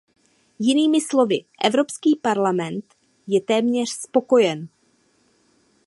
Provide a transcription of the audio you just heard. Jinými slovy, Evropský parlament je téměř spokojen.